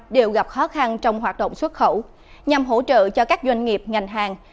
đều gặp khó khăn trong hoạt động xuất khẩu nhằm hỗ trợ cho các doanh nghiệp ngành hàng